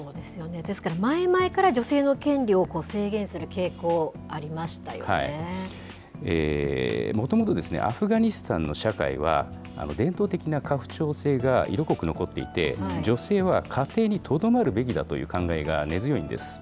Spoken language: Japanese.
ですから前々から女性の権利を制限する傾向、もともと、アフガニスタンの社会は伝統的な家父長制が色濃く残っていて、女性は家庭にとどまるべきだという考えが根強いんです。